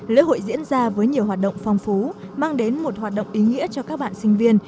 lễ hội diễn ra với nhiều hoạt động phong phú mang đến một hoạt động ý nghĩa cho các bạn sinh viên